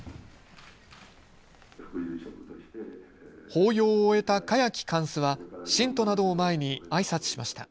法要を終えた栢木貫主は信徒などを前にあいさつしました。